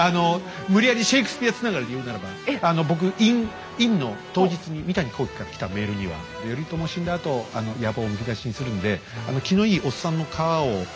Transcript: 無理やりシェークスピアつながりで言うならば僕インの当日に三谷幸喜から来たメールには「頼朝死んだあと野望をむき出しにするんで」。